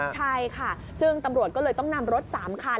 ใช่ค่ะซึ่งตำรวจก็เลยต้องนำรถ๓คัน